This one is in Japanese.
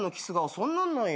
そんなんなんや。